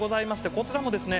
「こちらもですね